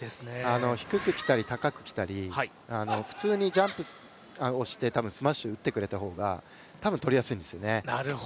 低く来たり高く来たり普通にジャンプしてスマッシュしてくれた方がたぶんとりやすいんですよね。